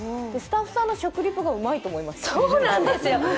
それと、スタッフさんの食リポがうまいと思いました。